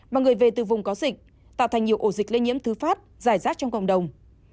mà người về từ vùng có dịch tạo thành nhiều ổ dịch lây nhiễm thứ phát giải rác trong cộng đồng